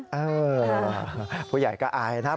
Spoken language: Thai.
เออผู้ใหญ่ก็อายนะ